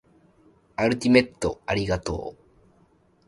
アルティメットありがとう